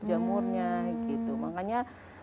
jamurnya gitu makanya